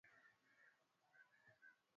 haina mpangilio mzuri wa kisarufi